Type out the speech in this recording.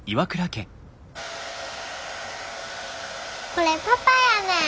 これパパやねん。